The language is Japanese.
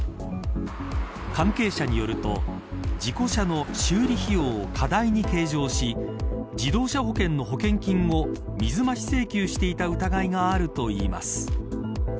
関係者によると事故車の修理費用を過大に計上し自動車保険の保険金を水増し請求していた疑いがあるといいます。